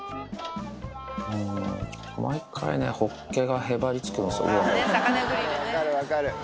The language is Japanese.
毎回ね、ホッケがへばりつくんですよね。